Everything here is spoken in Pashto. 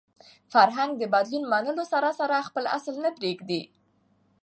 فرهنګ د بدلون منلو سره سره خپل اصل نه پرېږدي.